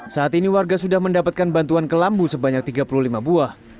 saat ini warga sudah mendapatkan bantuan kelambu sebanyak tiga puluh lima buah